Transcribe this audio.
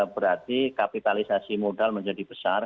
berarti kapitalisasi modal menjadi besar